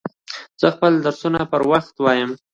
زه خپل درسونه پر وخت وایم.